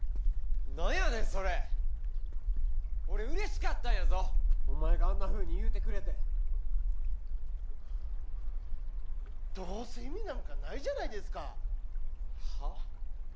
なんやねんそれ俺うれしかったんやぞお前があんなふうに言うてくれてどうせ意味なんかないじゃないですかはぁ？